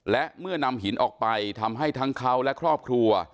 และเมื่อนำหินออกไปทำให้ทั้งเขาและครอบครัว